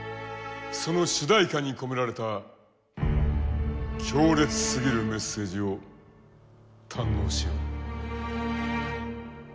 その主題歌に込められた強烈すぎるメッセージを堪能しよう。